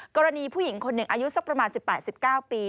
กรณีผู้หญิงคนหนึ่งอายุสักประมาณ๑๘๑๙ปี